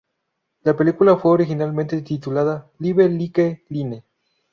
La película fue originalmente titulada "Live Like Line".